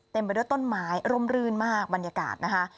ไปด้วยต้นไม้ร่มรื่นมากบรรยากาศนะคะ